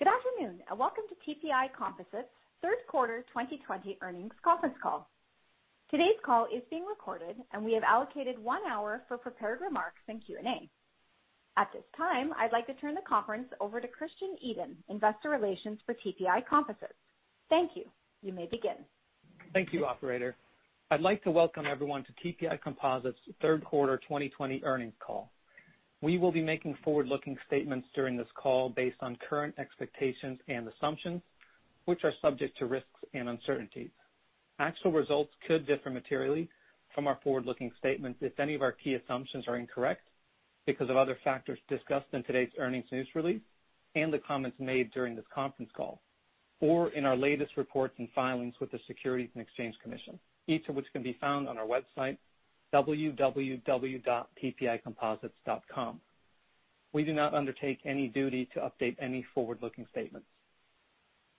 Good afternoon, welcome to TPI Composites' third quarter 2020 earnings conference call. Today's call is being recorded, and we have allocated one hour for prepared remarks and Q&A. At this time, I'd like to turn the conference over to Christian Edin, investor relations for TPI Composites. Thank you. You may begin. Thank you, operator. I'd like to welcome everyone to TPI Composites' third quarter 2020 earnings call. We will be making forward-looking statements during this call based on current expectations and assumptions, which are subject to risks and uncertainties. Actual results could differ materially from our forward-looking statements if any of our key assumptions are incorrect, because of other factors discussed in today's earnings news release, and the comments made during this conference call, or in our latest reports and filings with the Securities and Exchange Commission, each of which can be found on our website, www.tpicomposites.com. We do not undertake any duty to update any forward-looking statements.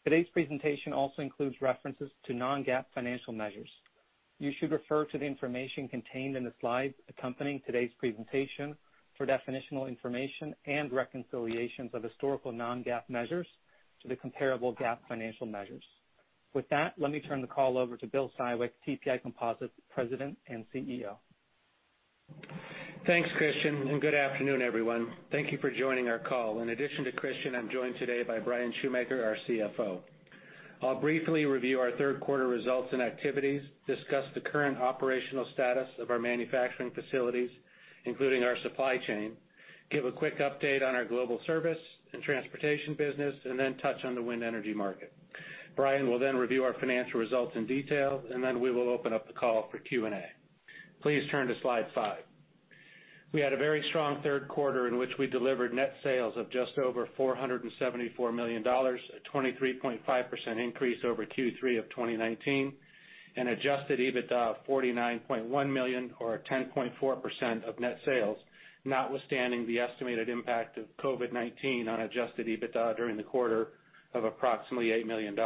Today's presentation also includes references to non-GAAP financial measures. You should refer to the information contained in the slides accompanying today's presentation for definitional information and reconciliations of historical non-GAAP measures to the comparable GAAP financial measures. With that, let me turn the call over to Bill Siwek, TPI Composites' President and CEO. Thanks, Christian. Good afternoon, everyone. Thank you for joining our call. In addition to Christian, I'm joined today by Bryan Schumaker, our CFO. I'll briefly review our third quarter results and activities, discuss the current operational status of our manufacturing facilities, including our supply chain, give a quick update on our global service and transportation business, then touch on the wind energy market. Bryan will then review our financial results in detail, then we will open up the call for Q&A. Please turn to slide five. We had a very strong third quarter in which we delivered net sales of just over $474 million, a 23.5% increase over Q3 of 2019, adjusted EBITDA of $49.1 million or 10.4% of net sales, notwithstanding the estimated impact of COVID-19 on adjusted EBITDA during the quarter of approximately $8 million.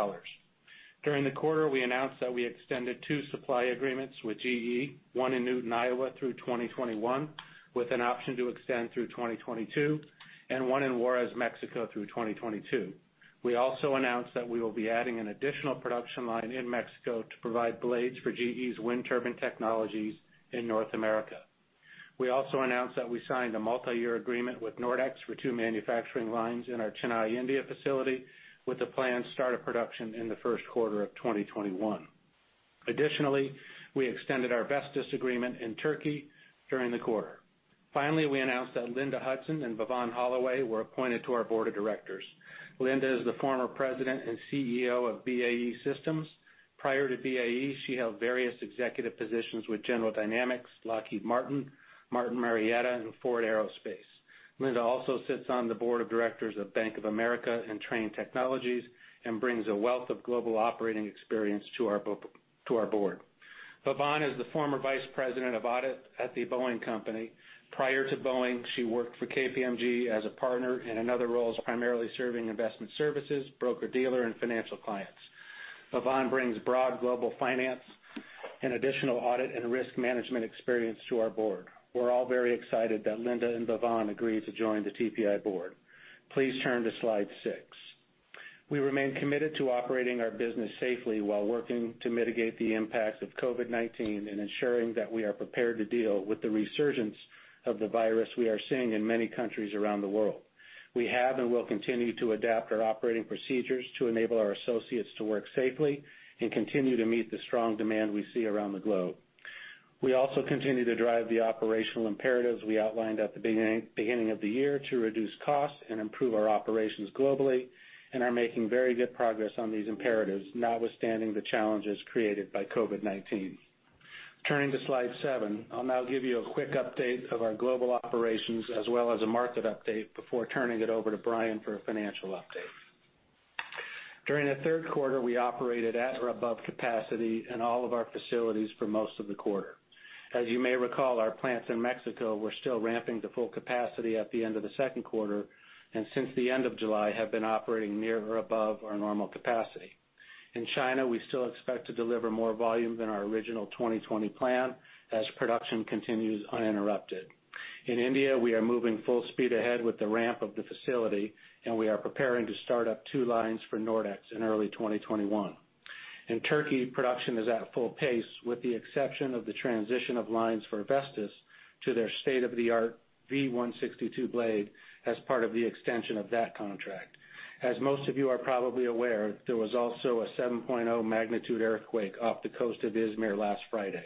During the quarter, we announced that we extended two supply agreements with GE, one in Newton, Iowa through 2021, with an option to extend through 2022, and one in Juarez, Mexico through 2022. We also announced that we will be adding an additional production line in Mexico to provide blades for GE's wind turbine technologies in North America. We also announced that we signed a multi-year agreement with Nordex for two manufacturing lines in our Chennai, India facility, with a planned start of production in the first quarter of 2021. Additionally, we extended our Vestas agreement in Turkey during the quarter. Finally, we announced that Linda Hudson and Bavan Holloway were appointed to our board of directors. Linda is the former President and CEO of BAE Systems. Prior to BAE, she held various executive positions with General Dynamics, Lockheed Martin Marietta, and Ford Aerospace. Linda also sits on the board of directors of Bank of America and Trane Technologies and brings a wealth of global operating experience to our board. Bavan is the former vice president of audit at The Boeing Company. Prior to Boeing, she worked for KPMG as a partner and in other roles primarily serving investment services, broker-dealer, and financial clients. Bavan brings broad global finance and additional audit and risk management experience to our board. We're all very excited that Linda and Bavan agreed to join the TPI board. Please turn to slide six. We remain committed to operating our business safely while working to mitigate the impacts of COVID-19 and ensuring that we are prepared to deal with the resurgence of the virus we are seeing in many countries around the world. We have and will continue to adapt our operating procedures to enable our associates to work safely and continue to meet the strong demand we see around the globe. We also continue to drive the operational imperatives we outlined at the beginning of the year to reduce costs and improve our operations globally and are making very good progress on these imperatives, notwithstanding the challenges created by COVID-19. Turning to slide seven. I'll now give you a quick update of our global operations as well as a market update before turning it over to Bryan for a financial update. During the third quarter, we operated at or above capacity in all of our facilities for most of the quarter. As you may recall, our plants in Mexico were still ramping to full capacity at the end of the second quarter, and since the end of July have been operating near or above our normal capacity. In China, we still expect to deliver more volume than our original 2020 plan as production continues uninterrupted. In India, we are moving full speed ahead with the ramp of the facility, and we are preparing to start up two lines for Nordex in early 2021. In Turkey, production is at full pace with the exception of the transition of lines for Vestas to their state-of-the-art V162 blade as part of the extension of that contract. As most of you are probably aware, there was also a 7.0 magnitude earthquake off the coast of Izmir last Friday.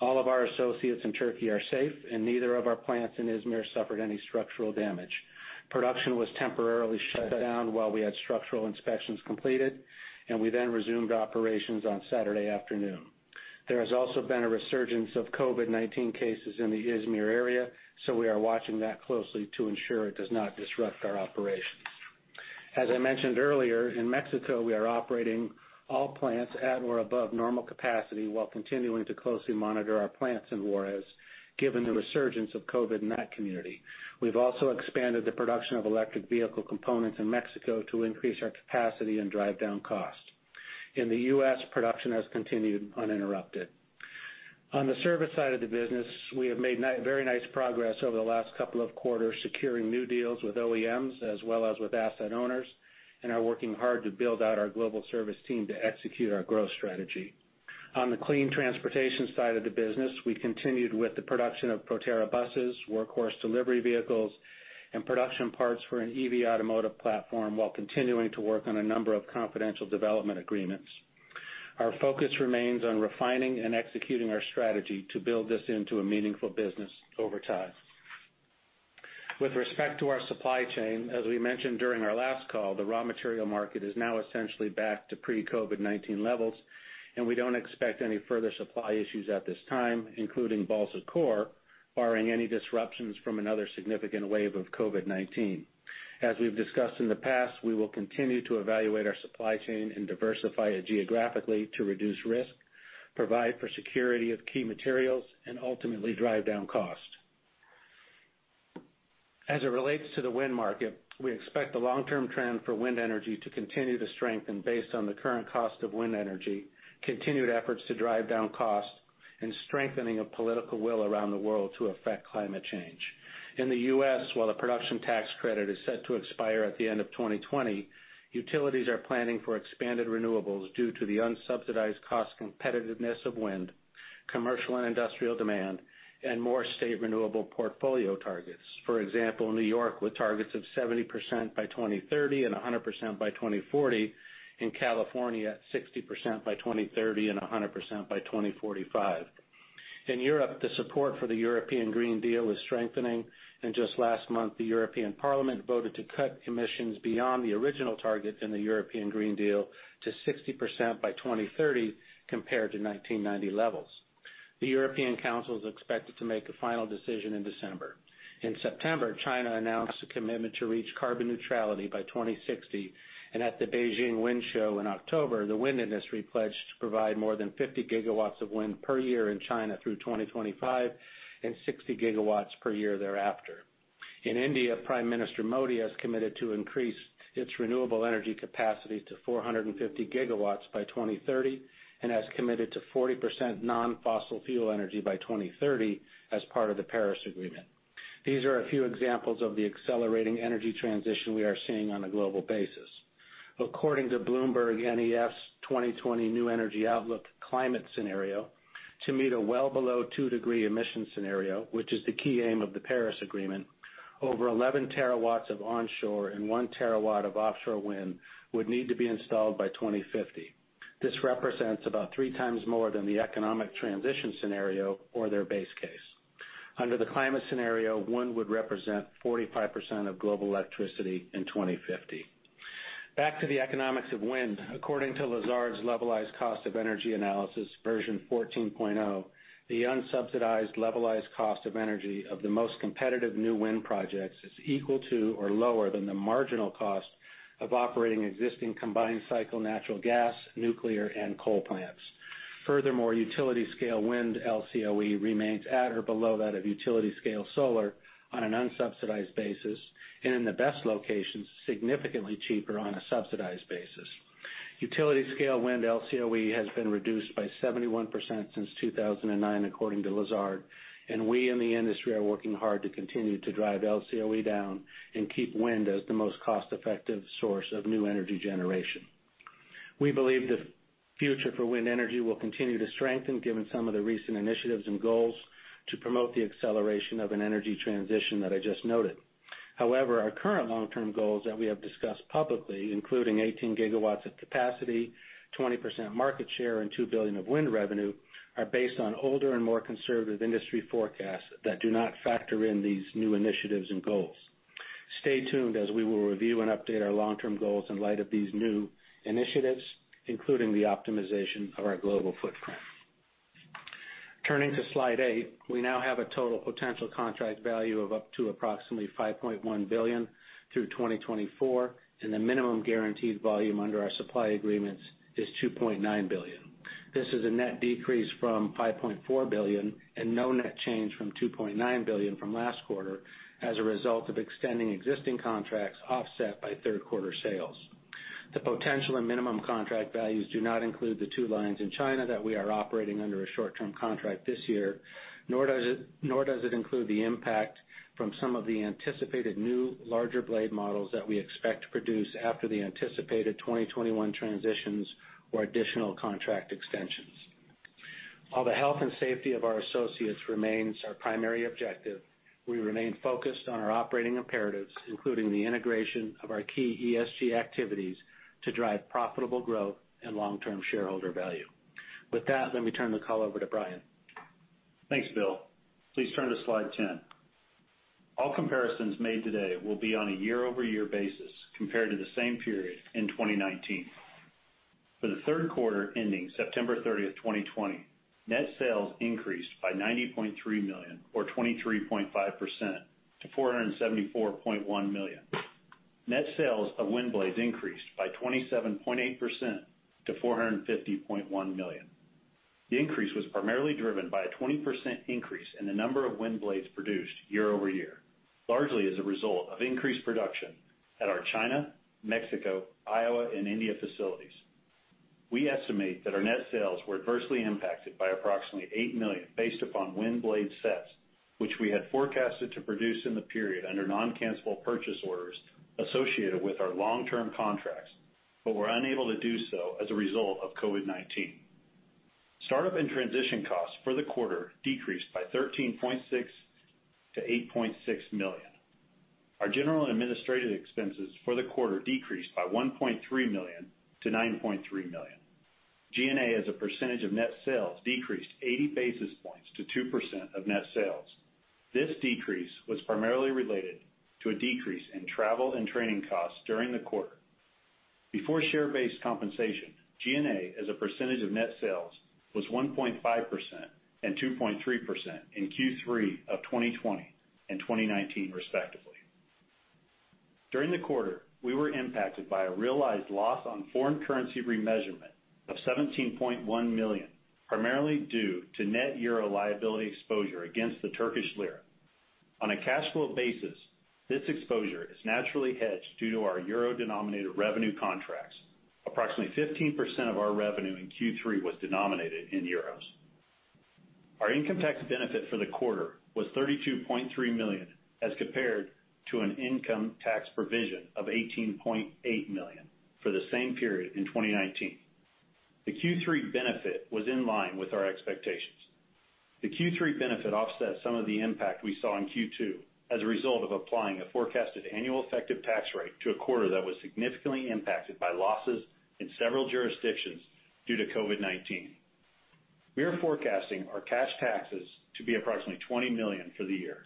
All of our associates in Turkey are safe and neither of our plants in Izmir suffered any structural damage. Production was temporarily shut down while we had structural inspections completed, and we then resumed operations on Saturday afternoon. There has also been a resurgence of COVID-19 cases in the Izmir area, so we are watching that closely to ensure it does not disrupt our operations. As I mentioned earlier, in Mexico, we are operating all plants at or above normal capacity while continuing to closely monitor our plants in Juarez, given the resurgence of COVID in that community. We've also expanded the production of electric vehicle components in Mexico to increase our capacity and drive down cost. In the U.S., production has continued uninterrupted. On the service side of the business, we have made very nice progress over the last couple of quarters securing new deals with OEMs as well as with asset owners, and are working hard to build out our global service team to execute our growth strategy. On the clean transportation side of the business, we continued with the production of Proterra buses, Workhorse delivery vehicles, and production parts for an EV automotive platform while continuing to work on a number of confidential development agreements. Our focus remains on refining and executing our strategy to build this into a meaningful business over time. With respect to our supply chain, as we mentioned during our last call, the raw material market is now essentially back to pre-COVID-19 levels, and we don't expect any further supply issues at this time, including balsa core, barring any disruptions from another significant wave of COVID-19. As we've discussed in the past, we will continue to evaluate our supply chain and diversify it geographically to reduce risk, provide for security of key materials, and ultimately drive down cost. As it relates to the wind market, we expect the long-term trend for wind energy to continue to strengthen based on the current cost of wind energy, continued efforts to drive down cost, and strengthening of political will around the world to affect climate change. In the U.S., while the production tax credit is set to expire at the end of 2020, utilities are planning for expanded renewables due to the unsubsidized cost competitiveness of wind, commercial and industrial demand, and more state renewable portfolio targets. For example, New York with targets of 70% by 2030 and 100% by 2040, and California at 60% by 2030 and 100% by 2045. In Europe, the support for the European Green Deal is strengthening, just last month, the European Parliament voted to cut emissions beyond the original target in the European Green Deal to 60% by 2030 compared to 1990 levels. The European Council is expected to make a final decision in December. In September, China announced a commitment to reach carbon neutrality by 2060, and at the Beijing Wind Show in October, the wind industry pledged to provide more than 50 GW of wind per year in China through 2025 and 60 GW per year thereafter. In India, Prime Minister Modi has committed to increase its renewable energy capacity to 450 GW by 2030 and has committed to 40% non-fossil fuel energy by 2030 as part of the Paris Agreement. These are a few examples of the accelerating energy transition we are seeing on a global basis. According to BloombergNEF's 2020 New Energy Outlook climate scenario, to meet a well below two degree emission scenario, which is the key aim of the Paris Agreement, over 11 TW of onshore and 1 TW of offshore wind would need to be installed by 2050. This represents about three times more than the economic transition scenario or their base case. Under the climate scenario, one would represent 45% of global electricity in 2050. Back to the economics of wind. According to Lazard's levelized cost of energy analysis version 14.0, the unsubsidized levelized cost of energy of the most competitive new wind projects is equal to or lower than the marginal cost of operating existing combined cycle natural gas, nuclear, and coal plants. Furthermore, utility scale wind LCOE remains at or below that of utility scale solar on an unsubsidized basis, and in the best locations, significantly cheaper on a subsidized basis. Utility scale wind LCOE has been reduced by 71% since 2009 according to Lazard, and we in the industry are working hard to continue to drive LCOE down and keep wind as the most cost-effective source of new energy generation. We believe the future for wind energy will continue to strengthen given some of the recent initiatives and goals to promote the acceleration of an energy transition that I just noted. Our current long-term goals that we have discussed publicly, including 18 gigawatts of capacity, 20% market share, and $2 billion of wind revenue, are based on older and more conservative industry forecasts that do not factor in these new initiatives and goals. Stay tuned as we will review and update our long-term goals in light of these new initiatives, including the optimization of our global footprint. Turning to slide eight. We now have a total potential contract value of up to approximately $5.1 billion through 2024, and the minimum guaranteed volume under our supply agreements is $2.9 billion. This is a net decrease from $5.4 billion and no net change from $2.9 billion from last quarter as a result of extending existing contracts offset by third quarter sales. The potential and minimum contract values do not include the two lines in China that we are operating under a short-term contract this year, nor does it include the impact from some of the anticipated new larger blade models that we expect to produce after the anticipated 2021 transitions or additional contract extensions. While the health and safety of our associates remains our primary objective, we remain focused on our operating imperatives, including the integration of our key ESG activities to drive profitable growth and long-term shareholder value. With that, let me turn the call over to Bryan. Thanks, Bill. Please turn to slide 10. All comparisons made today will be on a year-over-year basis compared to the same period in 2019. For the third quarter ending September 30th, 2020, net sales increased by $90.3 million or 23.5% to $474.1 million. Net sales of wind blades increased by 27.8% to $450.1 million. The increase was primarily driven by a 20% increase in the number of wind blades produced year-over-year. Largely as a result of increased production at our China, Mexico, Iowa, and India facilities. We estimate that our net sales were adversely impacted by approximately $8 million based upon wind blade sets, which we had forecasted to produce in the period under non-cancelable purchase orders associated with our long-term contracts, but were unable to do so as a result of COVID-19. Startup and transition costs for the quarter decreased by $13.6 to $8.6 million. Our general and administrative expenses for the quarter decreased by $1.3 million to $9.3 million. G&A as a percentage of net sales decreased 80 basis points to 2% of net sales. This decrease was primarily related to a decrease in travel and training costs during the quarter. Before share-based compensation, G&A as a percentage of net sales was 1.5% and 2.3% in Q3 of 2020 and 2019 respectively. During the quarter, we were impacted by a realized loss on foreign currency remeasurement of $17.1 million, primarily due to net euro liability exposure against the Turkish lira. On a cash flow basis, this exposure is naturally hedged due to our euro-denominated revenue contracts. Approximately 15% of our revenue in Q3 was denominated in euros. Our income tax benefit for the quarter was $32.3 million as compared to an income tax provision of $18.8 million for the same period in 2019. The Q3 benefit was in line with our expectations. The Q3 benefit offsets some of the impact we saw in Q2 as a result of applying a forecasted annual effective tax rate to a quarter that was significantly impacted by losses in several jurisdictions due to COVID-19. We are forecasting our cash taxes to be approximately $20 million for the year.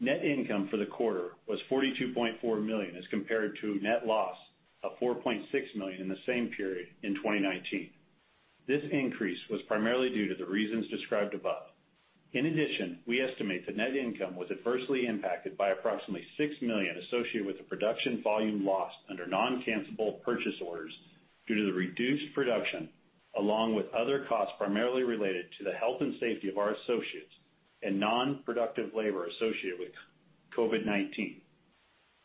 Net income for the quarter was $42.4 million as compared to net loss of $4.6 million in the same period in 2019. This increase was primarily due to the reasons described above. In addition, we estimate that net income was adversely impacted by approximately $6 million associated with the production volume lost under non-cancelable purchase orders due to the reduced production, along with other costs primarily related to the health and safety of our associates and non-productive labor associated with COVID-19.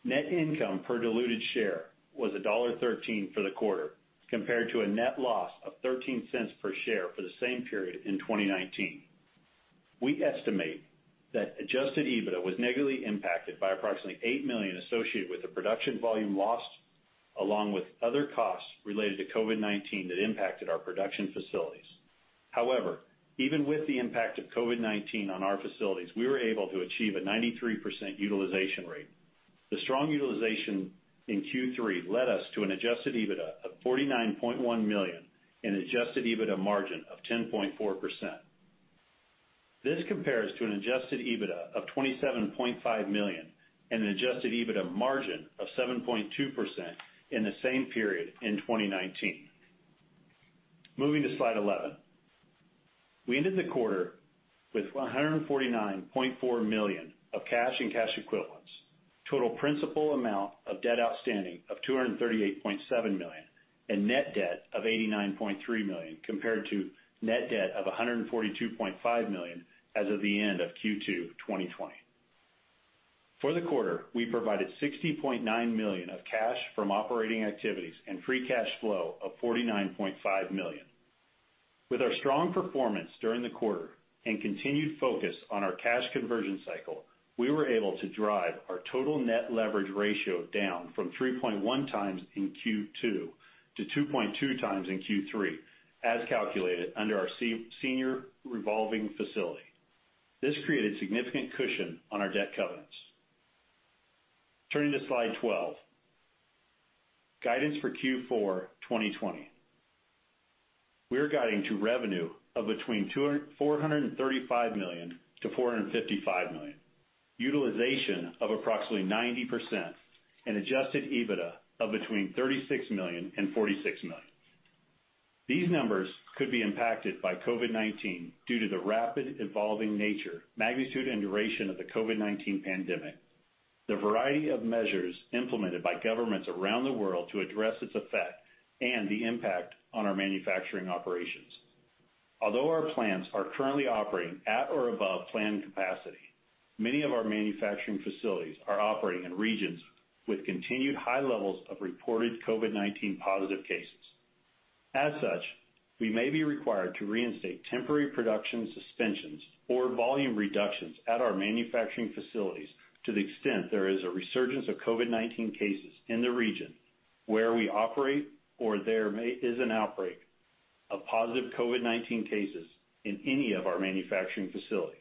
Net income per diluted share was $1.13 for the quarter, compared to a net loss of $0.13 per share for the same period in 2019. We estimate that adjusted EBITDA was negatively impacted by approximately $8 million associated with the production volume lost, along with other costs related to COVID-19 that impacted our production facilities. However, even with the impact of COVID-19 on our facilities, we were able to achieve a 93% utilization rate. The strong utilization in Q3 led us to an adjusted EBITDA of $49.1 million and adjusted EBITDA margin of 10.4%. This compares to an adjusted EBITDA of $27.5 million and an adjusted EBITDA margin of 7.2% in the same period in 2019. Moving to slide 11. We ended the quarter with $149.4 million of cash and cash equivalents, total principal amount of debt outstanding of $238.7 million, and net debt of $89.3 million, compared to net debt of $142.5 million as of the end of Q2 2020. For the quarter, we provided $60.9 million of cash from operating activities and free cash flow of $49.5 million. With our strong performance during the quarter and continued focus on our cash conversion cycle, we were able to drive our total net leverage ratio down from 3.1x in Q2 to 2.2 times in Q3, as calculated under our senior revolving facility. This created significant cushion on our debt covenants. Turning to slide 12. Guidance for Q4 2020. We're guiding to revenue of between $435 million-$455 million, utilization of approximately 90%, and adjusted EBITDA of between $36 million and $46 million. These numbers could be impacted by COVID-19 due to the rapid evolving nature, magnitude, and duration of the COVID-19 pandemic, the variety of measures implemented by governments around the world to address its effect, and the impact on our manufacturing operations. Although our plants are currently operating at or above planned capacity, many of our manufacturing facilities are operating in regions with continued high levels of reported COVID-19 positive cases. As such, we may be required to reinstate temporary production suspensions or volume reductions at our manufacturing facilities to the extent there is a resurgence of COVID-19 cases in the region where we operate, or there is an outbreak of positive COVID-19 cases in any of our manufacturing facilities.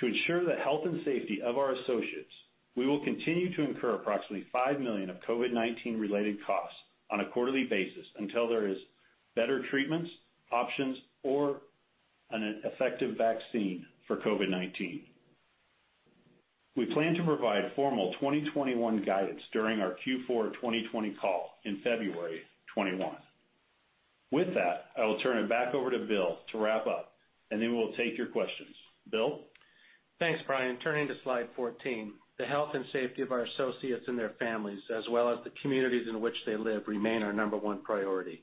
To ensure the health and safety of our associates, we will continue to incur approximately $5 million of COVID-19 related costs on a quarterly basis until there is better treatments, options, or an effective vaccine for COVID-19. We plan to provide formal 2021 guidance during our Q4 2020 call in February 2021. With that, I will turn it back over to Bill to wrap up, and then we'll take your questions. Bill? Thanks, Bryan. Turning to slide 14. The health and safety of our associates and their families, as well as the communities in which they live, remain our number one priority.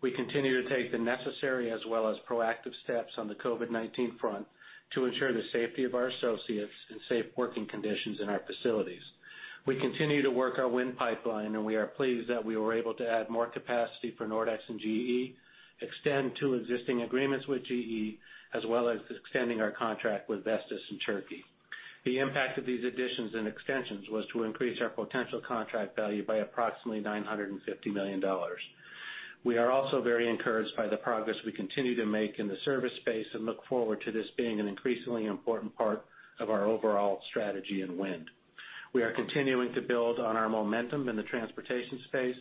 We continue to take the necessary as well as proactive steps on the COVID-19 front to ensure the safety of our associates and safe working conditions in our facilities. We continue to work our wind pipeline, and we are pleased that we were able to add more capacity for Nordex and GE, extend two existing agreements with GE, as well as extending our contract with Vestas in Turkey. The impact of these additions and extensions was to increase our potential contract value by approximately $950 million. We are also very encouraged by the progress we continue to make in the service space and look forward to this being an increasingly important part of our overall strategy in wind. We are continuing to build on our momentum in the transportation space.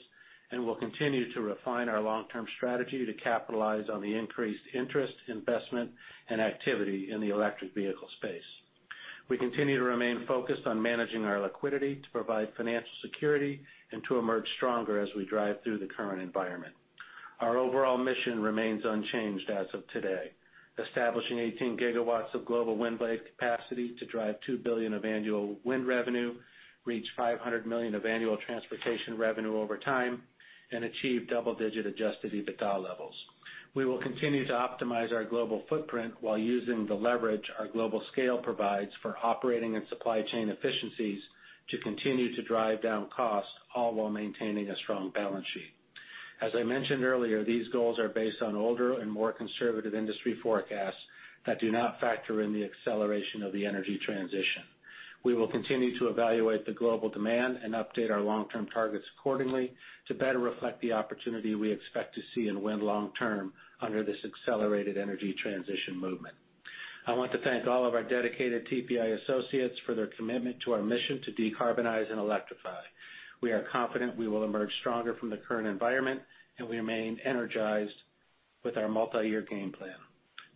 We'll continue to refine our long-term strategy to capitalize on the increased interest, investment, and activity in the electric vehicle space. We continue to remain focused on managing our liquidity to provide financial security and to emerge stronger as we drive through the current environment. Our overall mission remains unchanged as of today. Establishing 18 GW of global wind blade capacity to drive $2 billion of annual wind revenue, reach $500 million of annual transportation revenue over time, and achieve double-digit adjusted EBITDA levels. We will continue to optimize our global footprint while using the leverage our global scale provides for operating and supply chain efficiencies to continue to drive down costs, all while maintaining a strong balance sheet. As I mentioned earlier, these goals are based on older and more conservative industry forecasts that do not factor in the acceleration of the energy transition. We will continue to evaluate the global demand and update our long-term targets accordingly to better reflect the opportunity we expect to see in wind long-term under this accelerated energy transition movement. I want to thank all of our dedicated TPI associates for their commitment to our mission to decarbonize and electrify. We are confident we will emerge stronger from the current environment, and we remain energized with our multi-year game plan.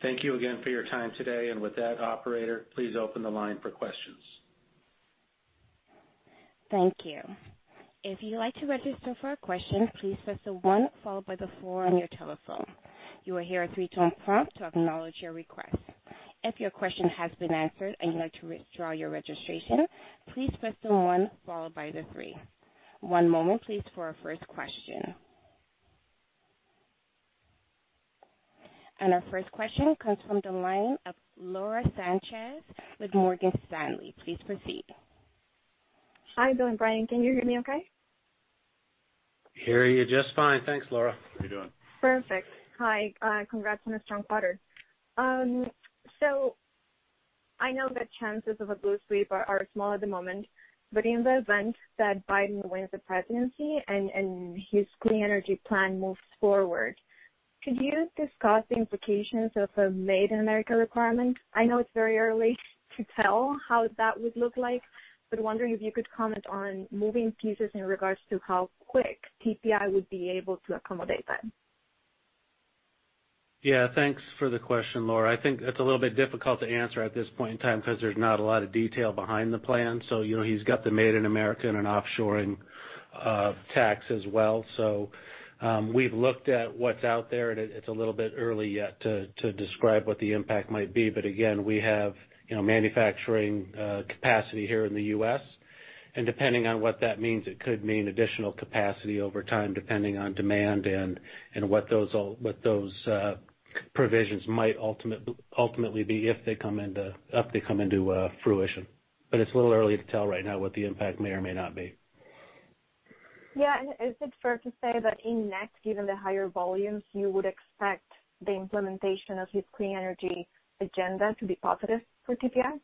Thank you again for your time today. With that, operator, please open the line for questions. Thank you. If you'd like to register for a question, please press the one followed by the four on your telephone. You will hear a three-tone prompt to acknowledge your request. If your question has been answered and you'd like to withdraw your registration, please press the one followed by the three. One moment please for our first question. Our first question comes from the line of Laura Sanchez with Morgan Stanley. Please proceed. Hi, Bill and Bryan. Can you hear me okay? Hear you just fine. Thanks, Laura. How you doing? Perfect. Hi. Congrats on a strong quarter. I know that chances of a blue sweep are small at the moment. In the event that Biden wins the presidency and his clean energy plan moves forward, could you discuss the implications of a Made in America requirement? I know it's very early to tell how that would look like, but wondering if you could comment on moving pieces in regards to how quick TPI would be able to accommodate that. Yeah, thanks for the question, Laura. I think it's a little bit difficult to answer at this point in time because there's not a lot of detail behind the plan. He's got the Made in America and an offshoring tax as well. We've looked at what's out there, and it's a little bit early yet to describe what the impact might be. Again, we have manufacturing capacity here in the U.S., and depending on what that means, it could mean additional capacity over time, depending on demand and what those provisions might ultimately be if they come into fruition. It's a little early to tell right now what the impact may or may not be. Yeah. Is it fair to say that in net, given the higher volumes, you would expect the implementation of his clean energy agenda to be positive for TPI?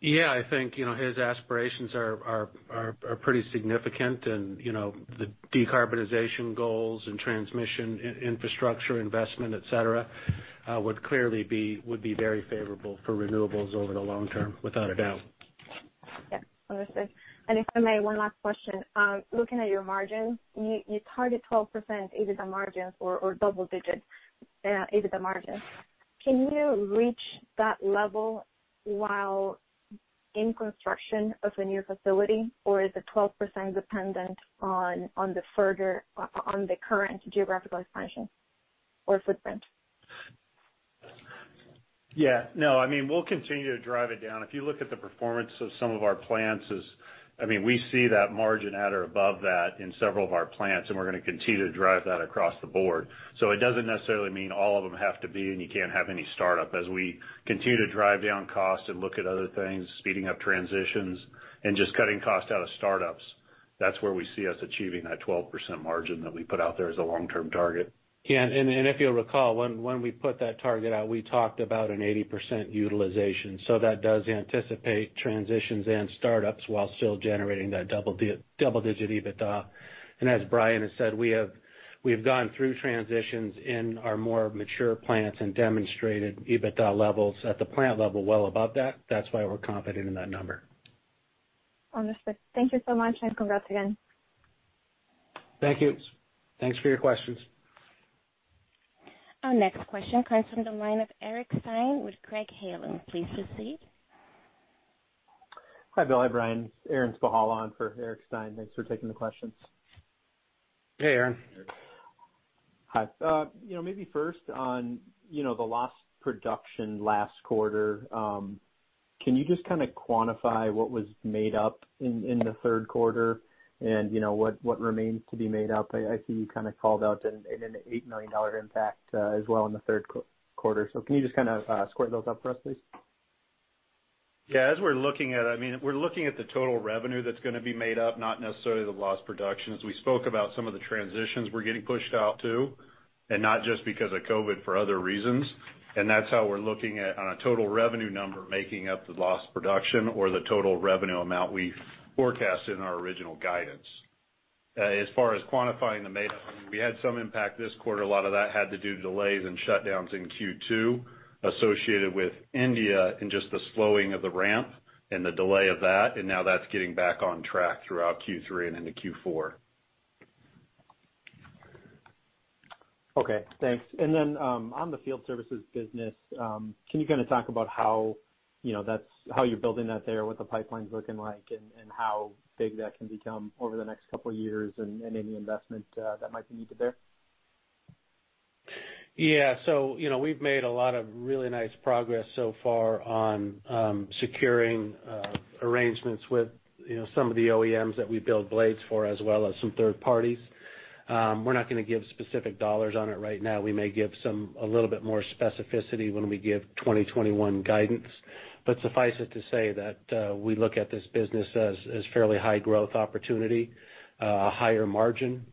Yeah, I think his aspirations are pretty significant and the decarbonization goals and transmission infrastructure investment, et cetera, would be very favorable for renewables over the long term, without a doubt. Yeah. Understood. If I may, one last question. Looking at your margin, you target 12% EBITDA margin or double-digit EBITDA margin. Can you reach that level while in construction of a new facility, or is the 12% dependent on the current geographical expansion or footprint? Yeah. No, we'll continue to drive it down. If you look at the performance of some of our plants, we see that margin at or above that in several of our plants, and we're going to continue to drive that across the board. It doesn't necessarily mean all of them have to be, and you can't have any startup. As we continue to drive down cost and look at other things, speeding up transitions and just cutting cost out of startups, that's where we see us achieving that 12% margin that we put out there as a long-term target. Yeah, if you'll recall, when we put that target out, we talked about an 80% utilization. That does anticipate transitions and startups while still generating that double-digit EBITDA. As Bryan has said, we have gone through transitions in our more mature plants and demonstrated EBITDA levels at the plant level well above that. That's why we're confident in that number. Understood. Thank you so much, and congrats again. Thank you. Thanks for your questions. Our next question comes from the line of Eric Stine with Craig-Hallum. Please proceed. Hi, Bill. Hi, Bryan. It's Aaron Spychalla on for Eric Stine. Thanks for taking the questions. Hey, Aaron. Aaron. Hi. Maybe first on the lost production last quarter. Can you just kind of quantify what was made up in the third quarter and what remains to be made up? I see you kind of called out an $8 million impact as well in the third quarter. Can you just kind of square those up for us, please? Yeah. We're looking at the total revenue that's going to be made up, not necessarily the lost production. As we spoke about some of the transitions we're getting pushed out too, not just because of COVID, for other reasons. That's how we're looking at on a total revenue number, making up the lost production or the total revenue amount we forecasted in our original guidance. As far as quantifying the made up, we had some impact this quarter. A lot of that had to do with delays and shutdowns in Q2 associated with India and just the slowing of the ramp and the delay of that. Now that's getting back on track throughout Q3 and into Q4. Okay, thanks. On the field services business, can you kind of talk about how you're building that there, what the pipeline's looking like, and how big that can become over the next couple of years, and any investment that might be needed there? We've made a lot of really nice progress so far on securing arrangements with some of the OEMs that we build blades for, as well as some third parties. We're not going to give specific dollars on it right now. We may give a little bit more specificity when we give 2021 guidance. Suffice it to say that we look at this business as fairly high growth opportunity, a higher margin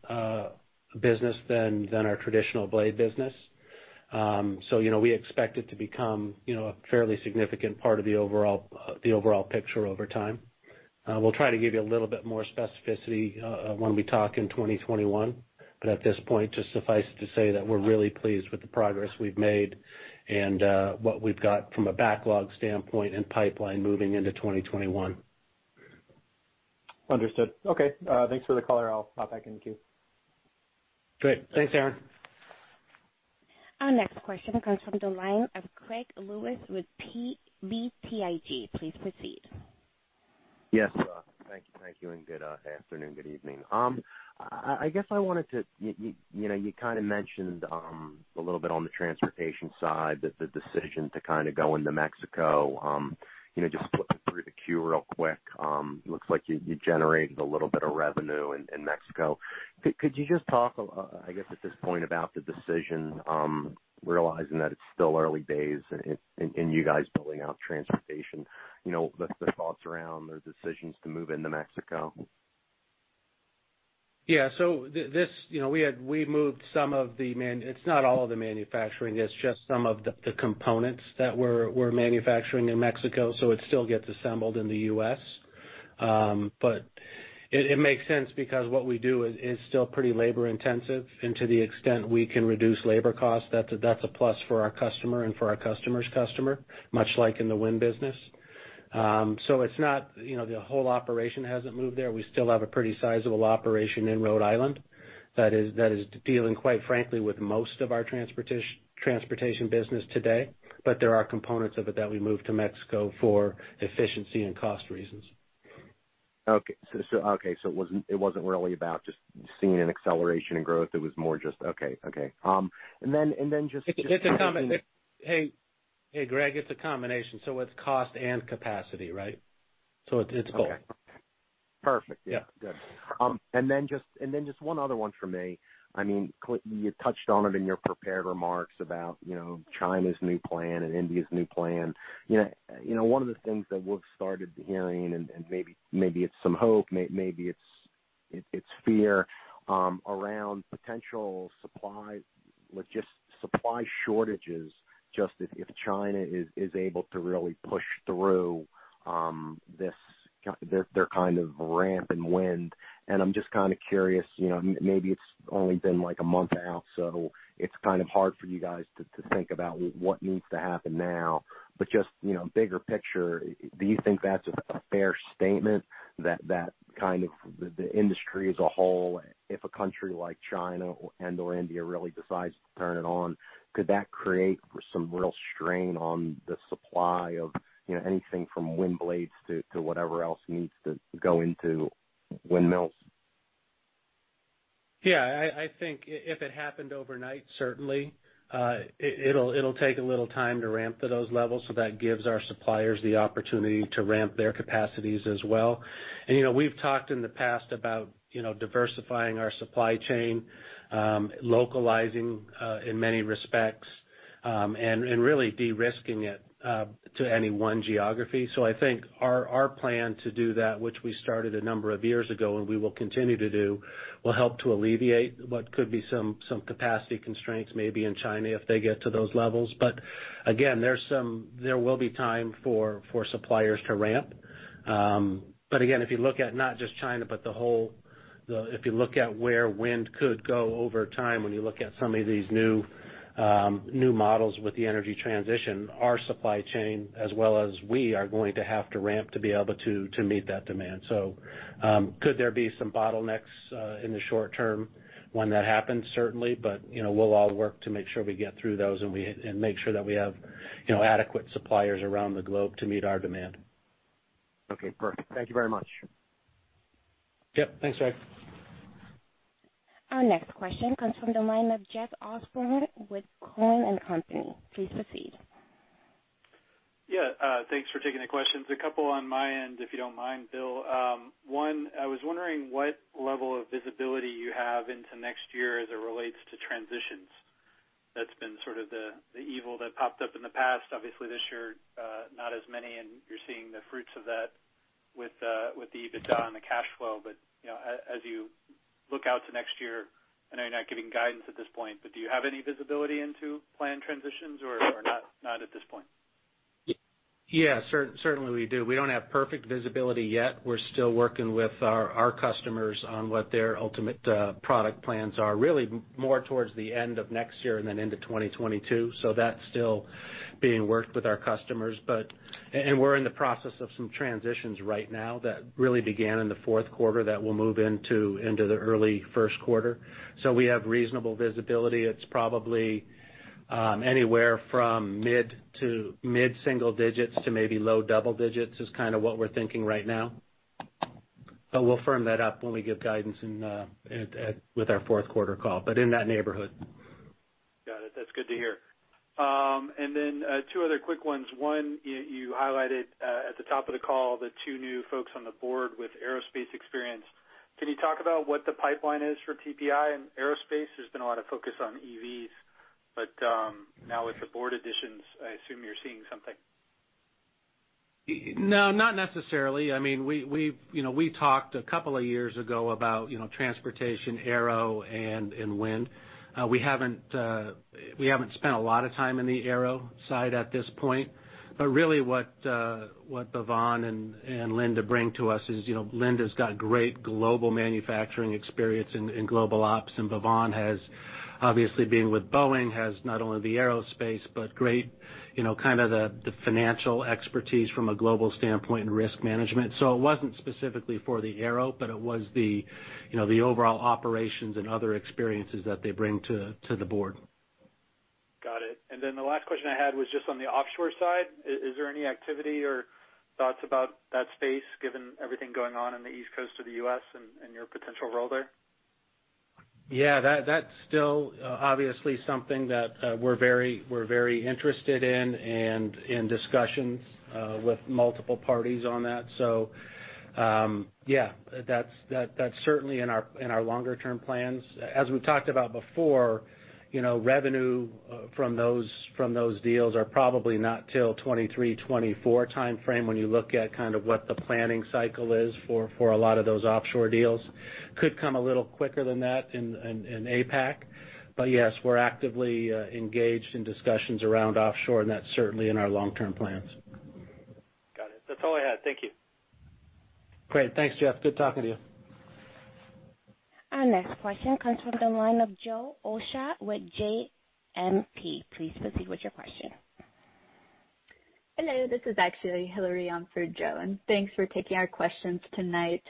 business than our traditional blade business. We expect it to become a fairly significant part of the overall picture over time. We'll try to give you a little bit more specificity when we talk in 2021. At this point, just suffice it to say that we're really pleased with the progress we've made and what we've got from a backlog standpoint and pipeline moving into 2021. Understood. Okay. Thanks for the color. I'll pop back in the queue. Great. Thanks, Aaron. Our next question comes from the line of Greg Lewis with BTIG. Please proceed. Yes. Thank you, and good afternoon, good evening. I guess you kind of mentioned a little bit on the transportation side that the decision to kind of go into Mexico. Just flipping through the queue real quick, looks like you generated a little bit of revenue in Mexico. Could you just talk, I guess, at this point about the decision, realizing that it's still early days in you guys building out transportation. The thoughts around the decisions to move into Mexico. Yeah. We moved some of the. It's not all of the manufacturing, it's just some of the components that we're manufacturing in Mexico. It still gets assembled in the U.S. It makes sense because what we do is still pretty labor-intensive, and to the extent we can reduce labor costs, that's a plus for our customer and for our customer's customer, much like in the wind business. The whole operation hasn't moved there. We still have a pretty sizable operation in Rhode Island that is dealing, quite frankly, with most of our transportation business today. There are components of it that we moved to Mexico for efficiency and cost reasons. Okay. It wasn't really about just seeing an acceleration in growth. It was more just Okay. Hey, Greg, it's a combination. It's cost and capacity, right? It's both. Okay. Perfect. Yeah. Good. Then just one other one from me. You touched on it in your prepared remarks about China's new plan and India's new plan. One of the things that we've started hearing, maybe it's some hope, maybe it's fear, around potential supply shortages, just if China is able to really push through their kind of ramp in wind. I'm just kind of curious, maybe it's only been like a month out, it's kind of hard for you guys to think about what needs to happen now. Just bigger picture, do you think that's a fair statement, that the industry as a whole, if a country like China and/or India really decides to turn it on, could that create some real strain on the supply of anything from wind blades to whatever else needs to go into windmills? Yeah, I think if it happened overnight, certainly. It'll take a little time to ramp to those levels. That gives our suppliers the opportunity to ramp their capacities as well. We've talked in the past about diversifying our supply chain, localizing in many respects, and really de-risking it to any one geography. I think our plan to do that, which we started a number of years ago, and we will continue to do, will help to alleviate what could be some capacity constraints, maybe in China if they get to those levels. Again, there will be time for suppliers to ramp. Again, if you look at not just China, if you look at where wind could go over time, when you look at some of these new models with the energy transition, our supply chain, as well as we, are going to have to ramp to be able to meet that demand. Could there be some bottlenecks in the short term when that happens? Certainly. We'll all work to make sure we get through those and make sure that we have adequate suppliers around the globe to meet our demand. Okay, perfect. Thank you very much. Yep. Thanks, Greg. Our next question comes from the line of Jeff Osborne with Cowen and Company. Please proceed. Yeah. Thanks for taking the questions. A couple on my end, if you don't mind, Bill. One, I was wondering what level of visibility you have into next year as it relates to transitions. That's been the evil that popped up in the past. Obviously, this year, not as many, and you're seeing the fruits of that with the EBITDA and the cash flow. As you look out to next year, I know you're not giving guidance at this point, but do you have any visibility into plan transitions or not at this point? Yes. Certainly, we do. We don't have perfect visibility yet. We're still working with our customers on what their ultimate product plans are. Really more towards the end of next year and then into 2022. That's still being worked with our customers. We're in the process of some transitions right now that really began in the fourth quarter that will move into the early first quarter. We have reasonable visibility. It's probably anywhere from mid-single digits to maybe low double digits, is kind of what we're thinking right now. We'll firm that up when we give guidance with our fourth quarter call, but in that neighborhood. Got it. That's good to hear. Then two other quick ones. One, you highlighted at the top of the call the two new folks on the board with aerospace experience. Can you talk about what the pipeline is for TPI in aerospace? There's been a lot of focus on EVs, but now with the board additions, I assume you're seeing something. No, not necessarily. We talked a couple of years ago about transportation, aero, and wind. We haven't spent a lot of time in the aero side at this point, but really what Bavan and Linda bring to us is, Linda's got great global manufacturing experience in global ops, and Bavan has obviously been with Boeing, has not only the aerospace, but great kind of the financial expertise from a global standpoint in risk management. It wasn't specifically for the aero, but it was the overall operations and other experiences that they bring to the board. Got it. The last question I had was just on the offshore side. Is there any activity or thoughts about that space, given everything going on in the East Coast of the U.S. and your potential role there? That's still obviously something that we're very interested in and in discussions with multiple parties on that. That's certainly in our longer term plans. As we've talked about before, revenue from those deals are probably not till 2023, 2024 timeframe, when you look at kind of what the planning cycle is for a lot of those offshore deals. Could come a little quicker than that in APAC. Yes, we're actively engaged in discussions around offshore, and that's certainly in our long-term plans. Got it. That's all I had. Thank you. Great. Thanks, Jeff. Good talking to you. Our next question comes from the line of Jo Osha with JMP. Please proceed with your question. Hello, this is actually Hilary on for Jo. Thanks for taking our questions tonight.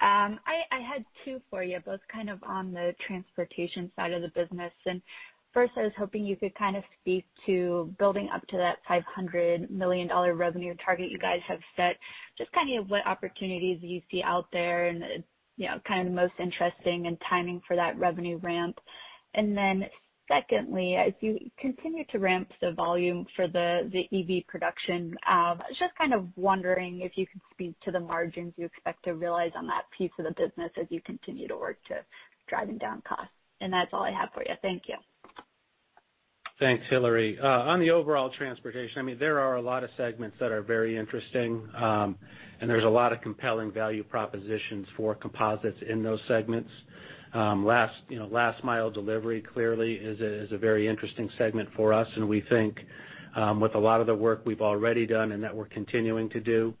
I had two for you, both kind of on the transportation side of the business. First, I was hoping you could kind of speak to building up to that $500 million revenue target you guys have set, just kind of what opportunities you see out there and kind of the most interesting and timing for that revenue ramp. Then secondly, as you continue to ramp the volume for the EV production, I was just kind of wondering if you could speak to the margins you expect to realize on that piece of the business as you continue to work to driving down costs. That's all I have for you. Thank you. Thanks, Hilary. The overall transportation, there are a lot of segments that are very interesting, there's a lot of compelling value propositions for composites in those segments. Last mile delivery clearly is a very interesting segment for us, we think with a lot of the work we've already done and that we're continuing to do,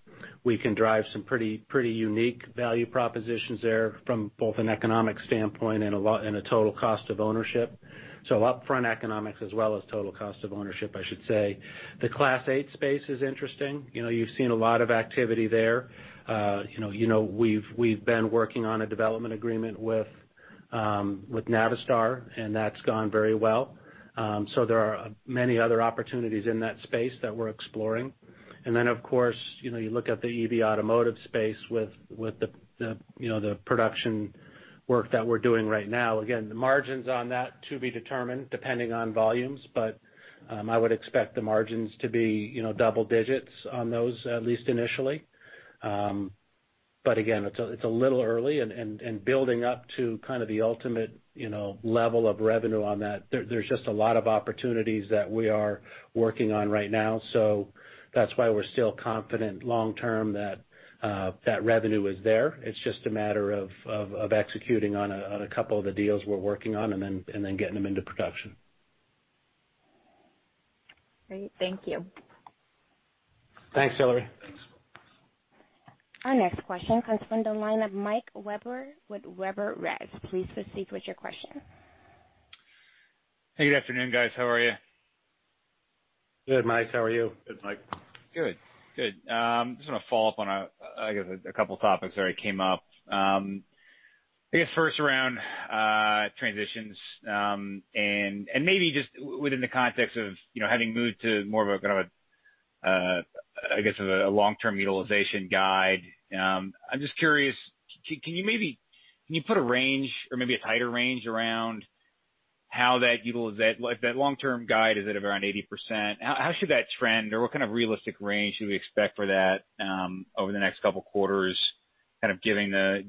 we can drive some pretty unique value propositions there from both an economic standpoint and a total cost of ownership. Upfront economics as well as total cost of ownership, I should say. The Class 8 space is interesting. You've seen a lot of activity there. We've been working on a development agreement with Navistar, that's gone very well. There are many other opportunities in that space that we're exploring. Of course, you look at the EV automotive space with the production work that we're doing right now. Again, the margins on that to be determined depending on volumes. I would expect the margins to be double digits on those, at least initially. Again, it's a little early and building up to kind of the ultimate level of revenue on that. There's just a lot of opportunities that we are working on right now. That's why we're still confident long term that that revenue is there. It's just a matter of executing on a couple of the deals we're working on and then getting them into production. Great. Thank you. Thanks, Hilary. Our next question comes from the line of Mike Webber with Webber Research. Please proceed with your question. Hey, good afternoon, guys. How are you? Good, Mike. How are you? Good, Mike. Good. I want to follow up on, I guess, a couple topics that already came up. I guess first around transitions, maybe just within the context of having moved to more of a long-term utilization guide. I'm just curious, can you put a range or maybe a tighter range around how that long-term guide is at around 80%? How should that trend, what kind of realistic range should we expect for that over the next couple quarters? Kind of giving the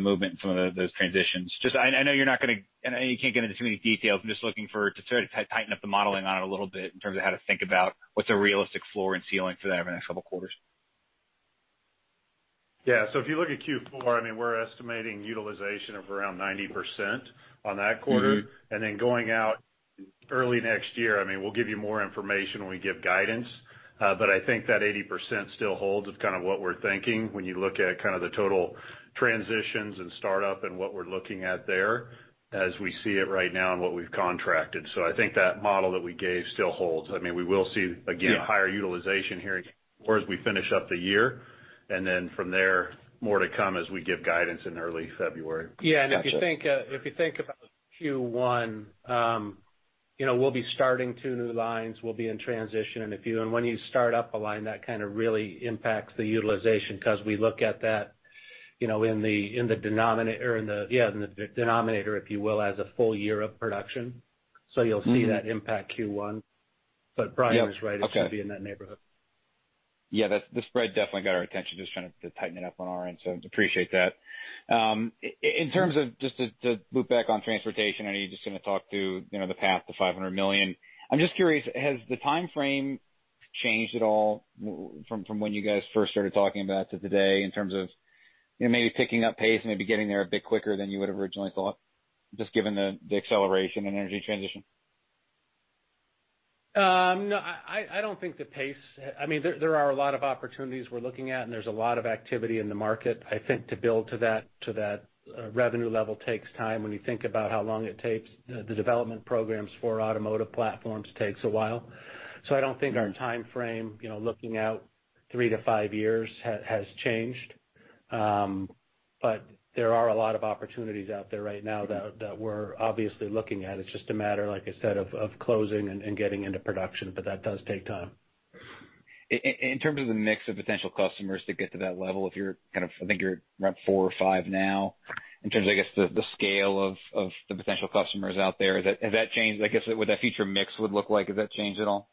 movement in some of those transitions. I know you can't get into too many details. I'm just looking to sort of tighten up the modeling on it a little bit in terms of how to think about what's a realistic floor and ceiling for that over the next couple quarters. Yeah. If you look at Q4, we're estimating utilization of around 90% on that quarter. Going out early next year, we'll give you more information when we give guidance. I think that 80% still holds of kind of what we're thinking when you look at the total transitions in startup and what we're looking at there as we see it right now and what we've contracted. I think that model that we gave still holds. Yeah. higher utilization here as we finish up the year. From there, more to come as we give guidance in early February. Got you. Yeah, if you think about Q1, we'll be starting two new lines. We'll be in transition. When you start up a line, that kind of really impacts the utilization because we look at that in the denominator, if you will, as a full year of production. You'll see that impact Q1. Bryan is right. Yeah. Okay. It should be in that neighborhood. Yeah, the spread definitely got our attention. Just trying to tighten it up on our end, so appreciate that. Just to loop back on transportation, I know you're just going to talk to the path to $500 million. I'm just curious, has the timeframe changed at all from when you guys first started talking about to today in terms of maybe picking up pace, maybe getting there a bit quicker than you would've originally thought, just given the acceleration in energy transition? No. There are a lot of opportunities we're looking at, and there's a lot of activity in the market. I think to build to that revenue level takes time. When you think about how long it takes, the development programs for automotive platforms takes a while. I don't think our timeframe, looking out three to five years, has changed. There are a lot of opportunities out there right now that we're obviously looking at. It's just a matter, like I said, of closing and getting into production, but that does take time. In terms of the mix of potential customers to get to that level, I think you're rep four or five now. In terms of the scale of the potential customers out there, has that changed? What that future mix would look like, has that changed at all?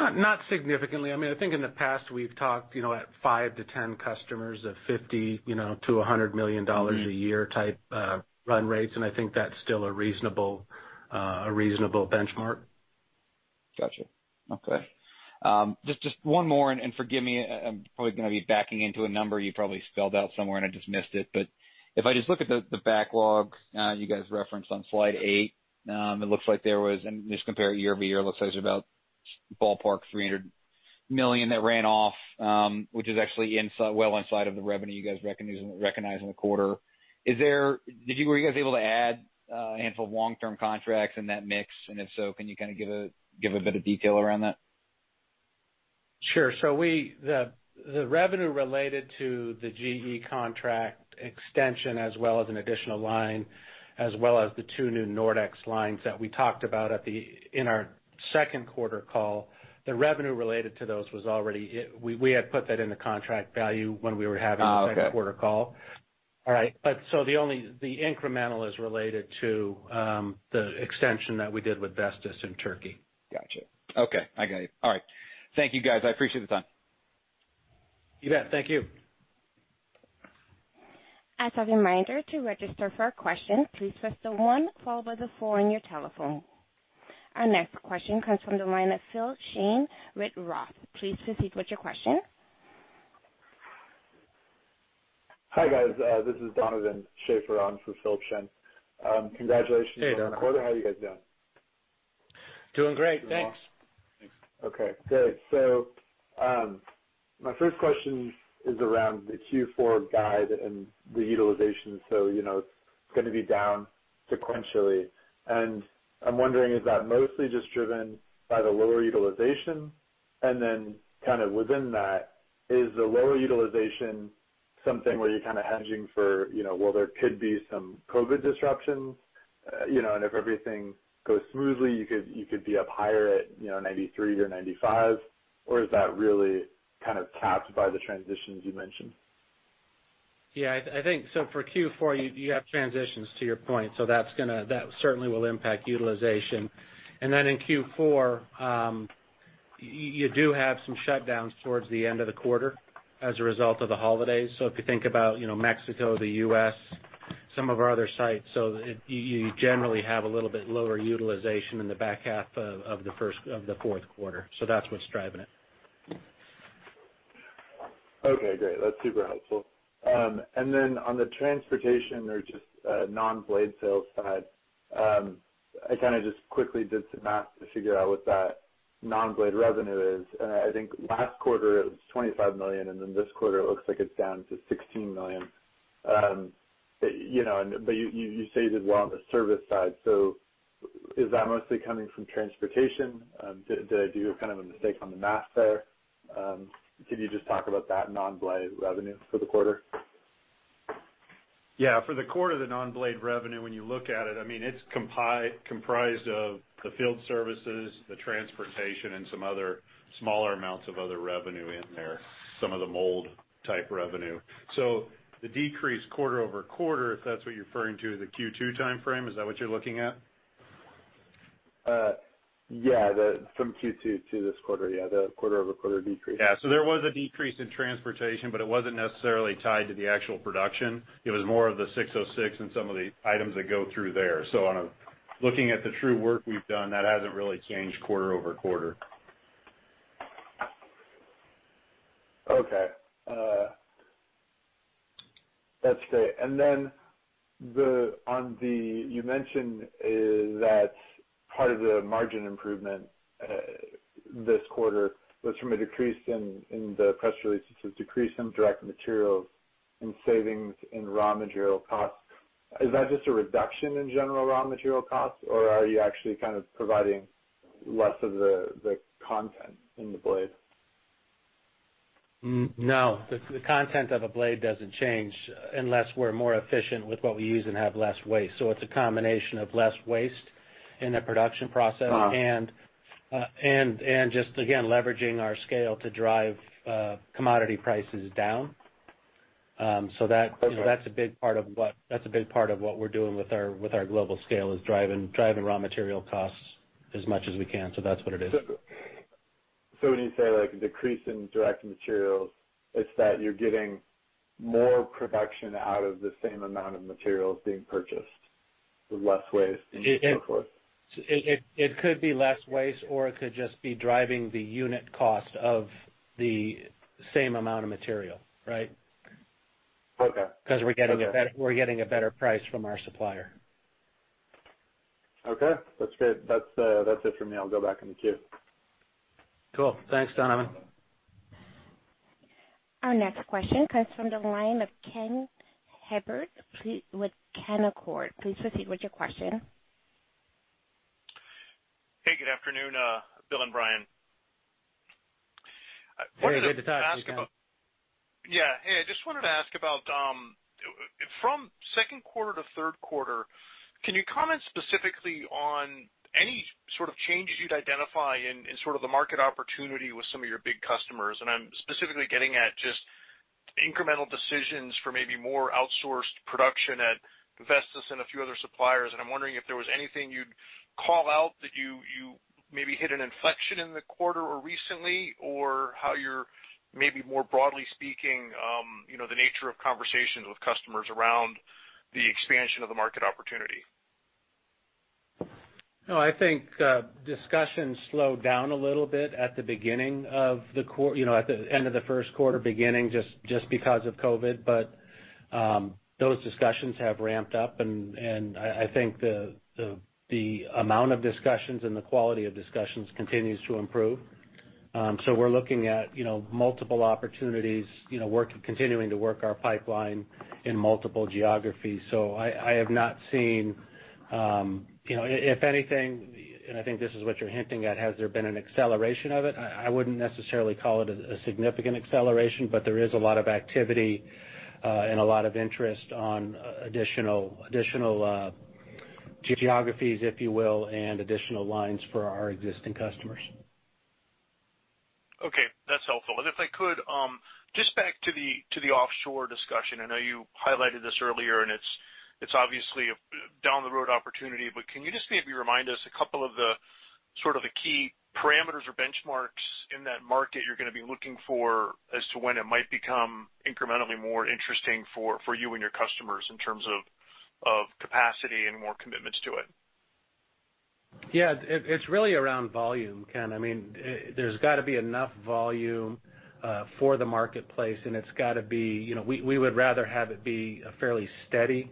Not significantly. I think in the past, we've talked at 5-10 customers of $50 million-$100 million a year type run rates. I think that's still a reasonable benchmark. Got you. Okay. Just one more, forgive me, I'm probably going to be backing into a number you probably spelled out somewhere, and I just missed it. If I just look at the backlog you guys referenced on slide eight, and just compare it year-over-year, it looks like there's about ballpark $300 million that ran off, which is actually well inside of the revenue you guys recognized in the quarter. Were you guys able to add a handful of long-term contracts in that mix? If so, can you give a bit of detail around that? Sure. The revenue related to the GE contract extension, as well as an additional line, as well as the two new Nordex lines that we talked about in our second quarter call, we had put that in the contract value. Oh, okay. the second quarter call. All right. The incremental is related to the extension that we did with Vestas in Turkey. Got you. Okay. I got it. All right. Thank you, guys. I appreciate the time. You bet. Thank you. As a reminder, to register for a question, please press the one followed by the four on your telephone. Our next question comes from the line of Phil Shen with ROTH. Please proceed with your question. Hi, guys. This is Donovan Schafer on for Phil Shen. Congratulations on the quarter. Hey, Donovan. How are you guys doing? Doing great, thanks. Doing well. Thanks. Okay, good. My first question is around the Q4 guide and the utilization. It's going to be down sequentially, and I'm wondering, is that mostly just driven by the lower utilization? Then kind of within that, is the lower utilization something where you're kind of hedging for, well, there could be some COVID disruptions, and if everything goes smoothly, you could be up higher at 93 or 95? Is that really kind of capped by the transitions you mentioned? Yeah. For Q4, you have transitions to your point, so that certainly will impact utilization. In Q4, you do have some shutdowns towards the end of the quarter as a result of the holidays. If you think about Mexico, the U.S., some of our other sites, so you generally have a little bit lower utilization in the back half of the fourth quarter. That's what's driving it. Okay, great. That's super helpful. On the transportation or just non-blade sales side, I kind of just quickly did some math to figure out what that non-blade revenue is. I think last quarter, it was $25 million, and then this quarter it looks like it's down to $16 million. You say you did well on the service side. Is that mostly coming from transportation? Did I do a mistake on the math there? Can you just talk about that non-blade revenue for the quarter? For the quarter, the non-blade revenue, when you look at it's comprised of the field services, the transportation, and some other smaller amounts of other revenue in there, some of the mold type revenue. The decrease quarter-over-quarter, if that's what you're referring to, the Q2 timeframe, is that what you're looking at? Yeah. From Q2 to this quarter. Yeah, the quarter-over-quarter decrease. There was a decrease in transportation, but it wasn't necessarily tied to the actual production. It was more of the 606 and some of the items that go through there. Looking at the true work we've done, that hasn't really changed quarter-over-quarter. Okay. That's it. You mentioned that part of the margin improvement this quarter was from a decrease in the press release. It's a decrease in direct materials and savings in raw material costs. Is that just a reduction in general raw material costs, or are you actually kind of providing less of the content in the blade? No, the content of a blade doesn't change unless we're more efficient with what we use and have less waste. It's a combination of less waste in the production process. Just, again, leveraging our scale to drive commodity prices down. Okay. That's a big part of what we're doing with our global scale, is driving raw material costs as much as we can. That's what it is. When you say, like, decrease in direct materials, it's that you're getting more production out of the same amount of materials being purchased with less waste and so forth. It could be less waste, or it could just be driving the unit cost of the same amount of material, right? Okay. We're getting a better price from our supplier. Okay. That's good. That's it for me. I'll go back in the queue. Cool. Thanks, Donovan. Our next question comes from the line of Ken Herbert with Canaccord. Please proceed with your question. Hey, good afternoon, Bill and Bryan. Hey, good to talk to you, Ken. Yeah. Hey, I just wanted to ask about from second quarter to third quarter, can you comment specifically on any sort of changes you'd identify in sort of the market opportunity with some of your big customers? I'm specifically getting at just incremental decisions for maybe more outsourced production at Vestas and a few other suppliers. I'm wondering if there was anything you'd call out that you maybe hit an inflection in the quarter or recently, or how you're maybe more broadly speaking, the nature of conversations with customers around the expansion of the market opportunity. No, I think discussions slowed down a little bit at the end of the first quarter, beginning just because of COVID. Those discussions have ramped up, and I think the amount of discussions and the quality of discussions continues to improve. We're looking at multiple opportunities, continuing to work our pipeline in multiple geographies. If anything, and I think this is what you're hinting at, has there been an acceleration of it? I wouldn't necessarily call it a significant acceleration, but there is a lot of activity and a lot of interest on additional geographies, if you will, and additional lines for our existing customers. Okay, that's helpful. If I could, just back to the offshore discussion. I know you highlighted this earlier, and it's obviously a down-the-road opportunity, but can you just maybe remind us a couple of the sort of the key parameters or benchmarks in that market you're going to be looking for as to when it might become incrementally more interesting for you and your customers in terms of capacity and more commitments to it? Yeah. It's really around volume, Ken. There's got to be enough volume for the marketplace. We would rather have it be a fairly steady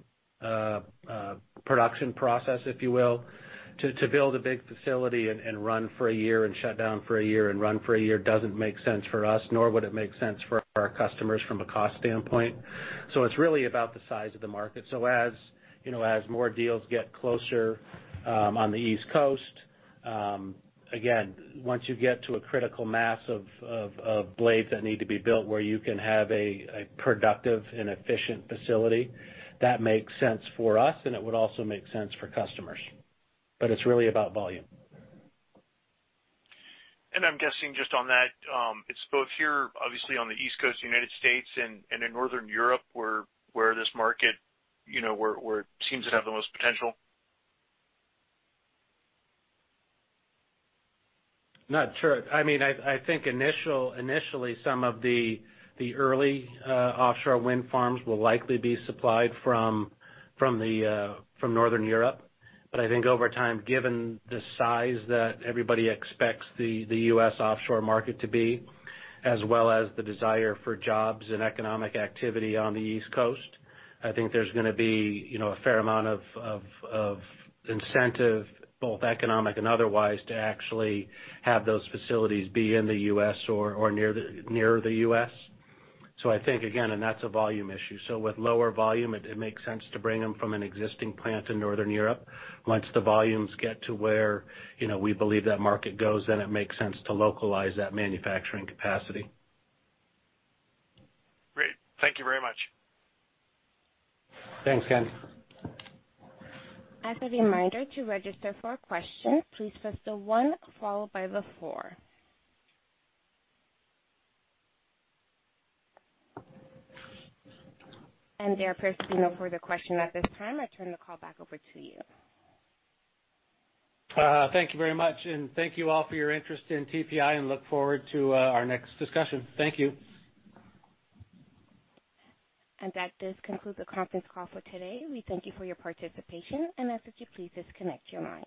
production process, if you will. To build a big facility and run for a year and shut down for a year and run for a year doesn't make sense for us, nor would it make sense for our customers from a cost standpoint. It's really about the size of the market. As more deals get closer on the East Coast, again, once you get to a critical mass of blades that need to be built where you can have a productive and efficient facility, that makes sense for us, and it would also make sense for customers. It's really about volume. I'm guessing just on that, it's both here, obviously, on the East Coast of the United States and in Northern Europe where this market seems to have the most potential. Not sure. I think initially, some of the early offshore wind farms will likely be supplied from Northern Europe. I think over time, given the size that everybody expects the U.S. offshore market to be, as well as the desire for jobs and economic activity on the East Coast, I think there's going to be a fair amount of incentive, both economic and otherwise, to actually have those facilities be in the U.S. or near the U.S. I think, again, and that's a volume issue. With lower volume, it makes sense to bring them from an existing plant in Northern Europe. Once the volumes get to where we believe that market goes, it makes sense to localize that manufacturing capacity. Great. Thank you very much. Thanks, Ken. As a reminder, to register for a question, please press the one followed by the four. There appears to be no further question at this time. I turn the call back over to you. Thank you very much, and thank you all for your interest in TPI, and look forward to our next discussion. Thank you. That does conclude the conference call for today. We thank you for your participation, and ask that you please disconnect your line.